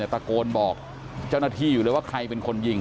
ตะโกนบอกเจ้าหน้าที่อยู่เลยว่าใครเป็นคนยิง